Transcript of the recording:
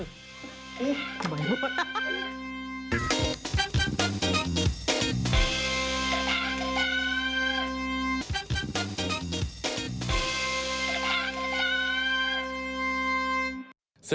อุ๊ยหมายหมด